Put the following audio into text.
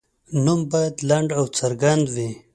نوم باید لنډ او څرګند وي.